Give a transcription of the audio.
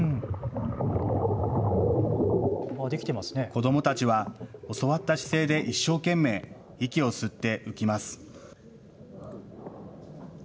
子どもたちは教わった姿勢で一生懸命、息を吸って浮きます。